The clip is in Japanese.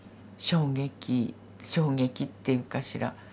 衝撃衝撃っていうかしら